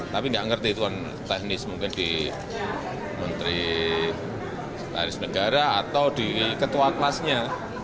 tapi nggak ngerti tuan teknis mungkin di menteri taris negara atau di ketua kelasnya